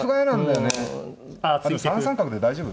３三角で大丈夫？